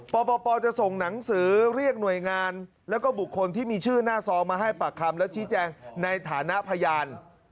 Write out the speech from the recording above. ปปจะส่งหนังสือเรียกหน่วยงานแล้วก็บุคคลที่มีชื่อหน้าซองมาให้ปากคำและชี้แจงในฐานะพยาน